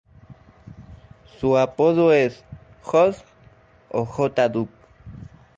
Su apodo es Hoss o J-Dub.